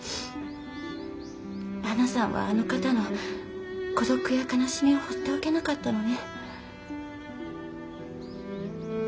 はなさんはあの方の孤独や悲しみをほっておけなかったのね。